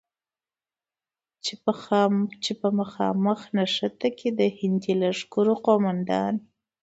چې په مخامخ نښته کې د هندي لښکرو قوماندان،